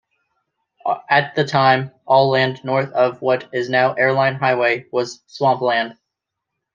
At the time, all land north of what is now Airline Highway was swampland.